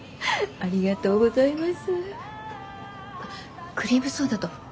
ありがとうございます。